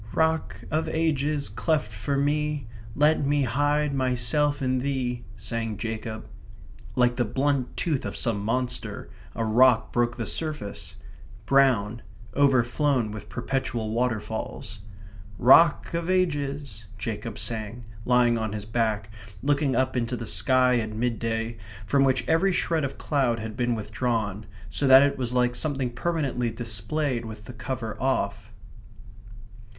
/* "Rock of Ages, cleft for me, Let me hide myself in thee," */ sang Jacob. Like the blunt tooth of some monster, a rock broke the surface; brown; overflown with perpetual waterfalls. /* "Rock of Ages," */ Jacob sang, lying on his back, looking up into the sky at midday, from which every shred of cloud had been withdrawn, so that it was like something permanently displayed with the cover off.